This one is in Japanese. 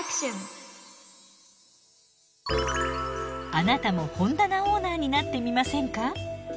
あなたも本棚オーナーになってみませんか？